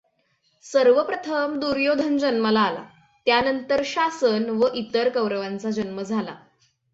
सर्वप्रथम दुर्योधन जन्माला आला त्यानंतर शासन व इतर कौरवांचा जन्म झाला.